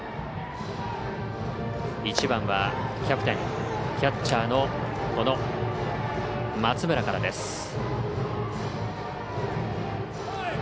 １番は、キャプテンキャッチャーの松村からです。